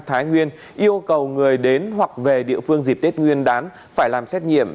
thái nguyên yêu cầu người đến hoặc về địa phương dịp tết nguyên đán phải làm xét nghiệm